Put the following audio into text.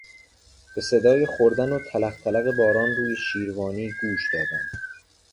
به صدای خوردن و تلق تلق باران روی شیروانی گوش دادم.